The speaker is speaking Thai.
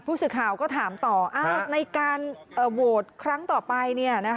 ผู้สื่อข่าวก็ถามต่อในการโหวตครั้งต่อไป